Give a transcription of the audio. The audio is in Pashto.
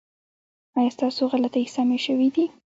ایا ستاسو غلطۍ سمې شوې دي؟